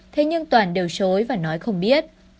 thế nhưng toàn đều chối và nói không biết